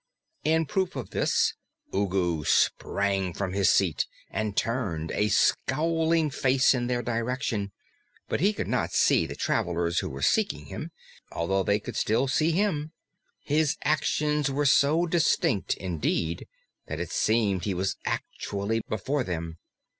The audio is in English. In proof of this, Ugu sprang from his seat and turned a scowling face in their direction; but now he could not see the travelers who were seeking him, although they could still see him. His actions were so distinct, indeed, that it seemed he was actually before them.